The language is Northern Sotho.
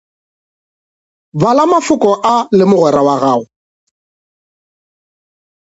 Bala mafoko a le mogwera wa gago.